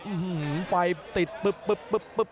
อื้อหือไฟติดปึ๊บปึ๊บปึ๊บ